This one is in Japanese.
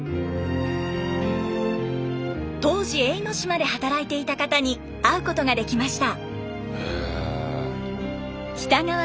当時永ノ島で働いていた方に会うことができました。